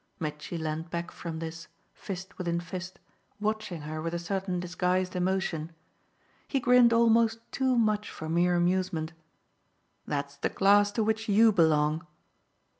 Mitchy leaned back from this, fist within fist, watching her with a certain disguised emotion. He grinned almost too much for mere amusement. "That's the class to which YOU belong."